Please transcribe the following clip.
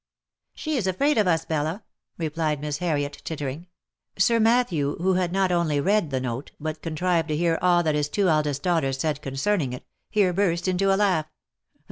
"■ She is afraid of us, Bella," replied Miss Harriet, tittering. Sir Matthew, who had not only read the note, but contrived to hear all that his two eldest daughters said concerning it, here burst into a laugh.